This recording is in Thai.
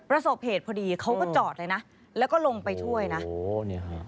ประสบเหตุพอดีเขาก็จอดเลยนะแล้วก็ลงไปช่วยนะโอ้เนี่ยฮะ